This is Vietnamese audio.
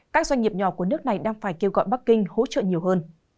các doanh nghiệp nhỏ của nước này đang phải kêu gọi bắc kinh hỗ trợ nhiều hơn